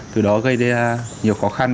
từ đó gây ra nhiều khó khăn